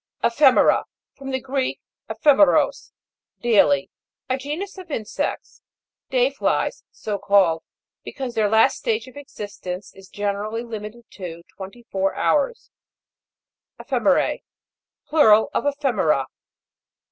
EPHE'MERA. From the Greek, ephe meras, daily. A genus of insects. Day flies, so called, because their last stage of existence is generally limited to twenty four hours. EPHE'MER^E. Plural of Ephemera.